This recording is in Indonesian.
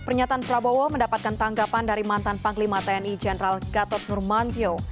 pernyataan prabowo mendapatkan tanggapan dari mantan panglima tni jenderal gatot nurmantio